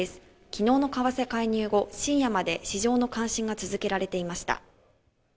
昨日の為替介入後、深夜まで市場の監視が続けられていました。